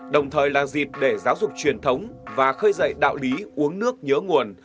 đồng thời là dịp để giáo dục truyền thống và khơi dậy đạo lý uống nước nhớ nguồn